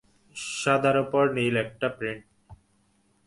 সাদার উপর নীলের একটা প্রিন্ট।